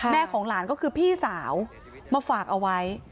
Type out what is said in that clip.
ของหลานก็คือพี่สาวมาฝากเอาไว้